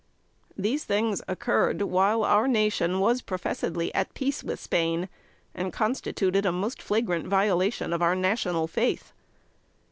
These things occurred while our nation was professedly at peace with Spain, and constituted a most flagrant violation of our national faith.